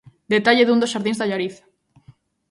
Detalle dun dos xardíns de Allariz.